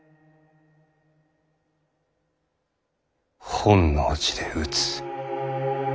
本能寺で討つ。